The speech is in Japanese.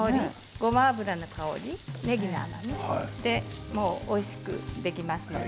ごま油の香りねぎの香りでおいしくできますので。